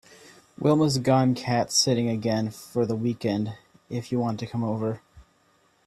Wilma’s gone cat sitting again for the weekend if you want to come over.